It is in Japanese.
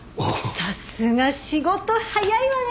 さすが仕事早いわね！